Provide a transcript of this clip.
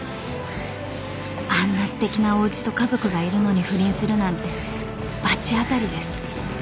［あんなすてきなおうちと家族がいるのに不倫するなんて罰当たりです］